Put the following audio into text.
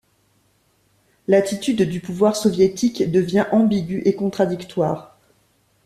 L’attitude du pouvoir soviétique devient ambiguë et contradictoire.